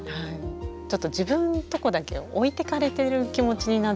ちょっと自分とこだけ置いてかれてる気持ちになっちゃうんですよね。